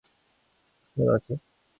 그거 너지?